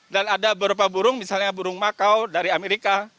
dan ada beberapa burung misalnya burung makau dari amerika